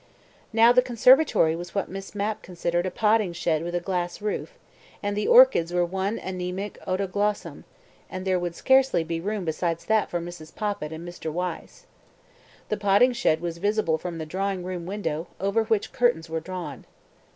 Now the conservatory was what Miss Mapp considered a potting shed with a glass roof, and the orchids were one anæmic odontoglossum, and there would scarcely be room besides that for Mrs. Poppit and Mr. Wyse. The potting shed was visible from the drawing room window, over which curtains were drawn.